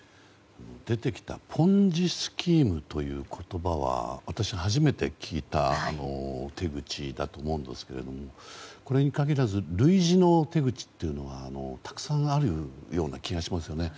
出てきたポンジ・スキームという言葉は私、初めて聞いた手口だと思うんですけどもこれに限らず、類似の手口はたくさんあるような気がしますよね。